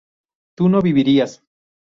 tú no vivirías